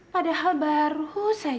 padahal baru saja